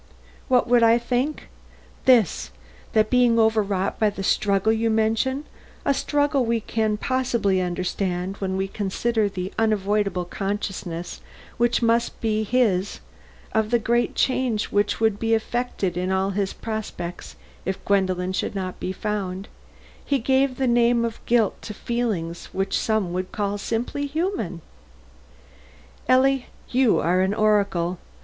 "What would I think? This: That being overwrought by the struggle you mention (a struggle we can possibly understand when we consider the unavoidable consciousness which must be his of the great change which would be effected in all his prospects if Gwendolen should not be found), he gave the name of guilt to feelings which some would call simply human." "Ellie, you are an oracle."